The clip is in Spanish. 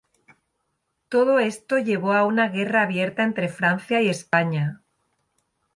Todo esto llevó a una guerra abierta entre Francia y España.